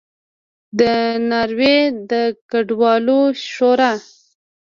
د ناروې د کډوالو شورا